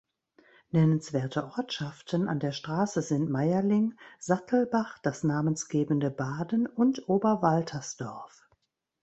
Nennenswerte Ortschaften an der Straße sind Mayerling, Sattelbach, das namensgebende Baden und Oberwaltersdorf.